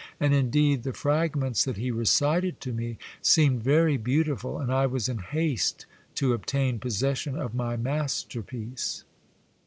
And indeed the frag ments that he recited to me seemed very beautiful, and I was in haste to obtain possession of my masterpiece.